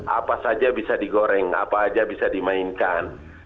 apa saja bisa digoreng apa aja bisa dimainkan